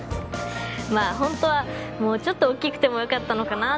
まぁホントはもうちょっと大きくてもよかったのかなと。